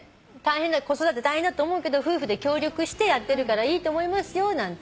子育て大変だと思うけど夫婦で協力してやってるからいいと思いますよなんて。